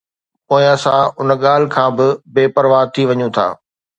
پوءِ اسان ان ڳالهه کان به بي پرواهه ٿي وڃون ٿا